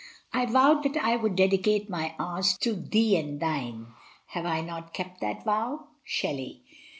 I vowed that I would dedicate my hours To thee and thine — have I not kept the vow? Shelley.